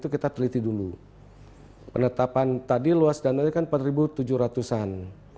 kita teliti dulu penetapan tadi luas dananya kan empat tujuh ratus an